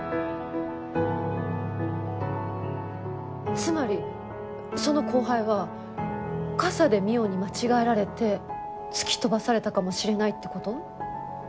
つまりその後輩は傘で望緒に間違えられて突き飛ばされたかもしれないって事？